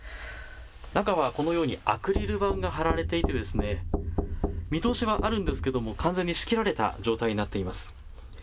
中はこのようにアクリル板が張られていて見通しはあるんですけども完全に仕切られた状態になっています。